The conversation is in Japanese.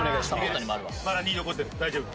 まだ２残ってる大丈夫